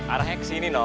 arahnya kesini non